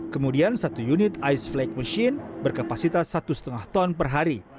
kemudian satu unit ice flake machine berkapasitas satu lima ton per hari